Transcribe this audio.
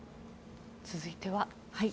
続いては。